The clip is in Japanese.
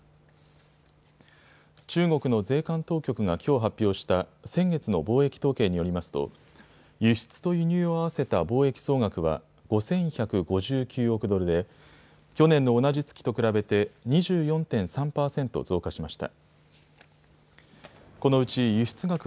中国の税関当局がきょう発表した先月の貿易統計によりますと輸出と輸入を合わせた貿易総額は５１５９億ドルで去年の同じ月と比べて２４．３％増加しました。